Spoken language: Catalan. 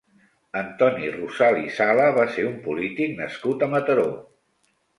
Antoni Rosal i Sala va ser un polític nascut a Mataró.